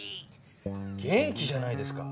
元気じゃないですか。